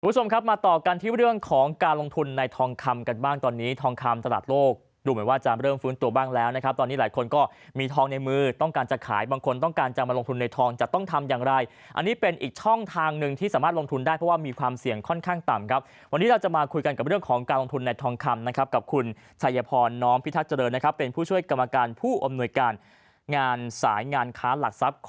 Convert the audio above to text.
ผู้ชมครับมาต่อกันที่เรื่องของการลงทุนในทองคำกันบ้างตอนนี้ทองคำตลาดโลกดูเหมือนว่าจะเริ่มฟื้นตัวบ้างแล้วนะครับตอนนี้หลายคนก็มีทองในมือต้องการจะขายบางคนต้องการจะมาลงทุนในทองจะต้องทำอย่างไรอันนี้เป็นอีกช่องทางนึงที่สามารถลงทุนได้เพราะว่ามีความเสี่ยงค่อนข้างต่ำครับวันนี้เราจะมาคุยกันกับเรื่องของการ